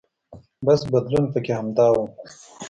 بس بدلون پکې همدا و.